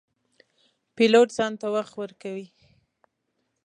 پیلوټ ځان ته وخت ورکوي.